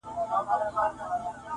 پر جهان یې غوړېدلی سلطنت وو -